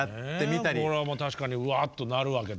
これはもう確かにうわっとなるわけだ。